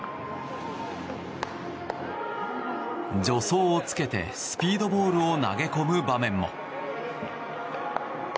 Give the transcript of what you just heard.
助走をつけてスピードボールを投げ込む場面も。